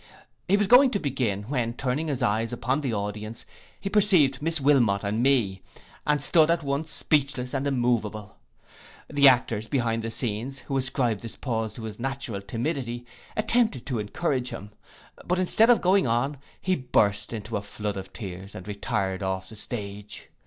He was going to begin, when, turning his eyes upon the audience, he perceived Miss Wilmot and me, and stood at once speechless and immoveable. The actors behind the scene, who ascribed this pause to his natural timidity, attempted to encourage him; but instead of going on, he burst into a flood of tears, and retired off the stage.